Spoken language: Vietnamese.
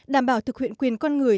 đảm bảo thực hiện quyền con người